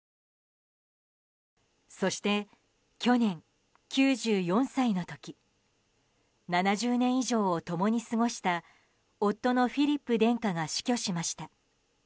そして、去年９４歳の時７０年以上を共に過ごした夫のフィリップ殿下が死去しました。